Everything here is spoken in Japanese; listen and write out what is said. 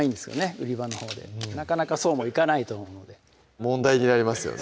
売り場のほうでなかなかそうもいかないと思うので問題になりますよね